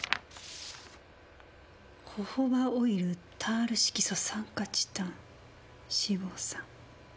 「ホホバオイルタール色素酸化チタン脂肪酸」。